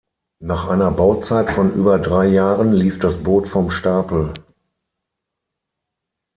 Nach einer Bauzeit von über drei Jahren lief das Boot vom Stapel.